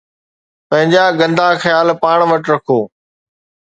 پنهنجا گندا خيال پاڻ وٽ رکو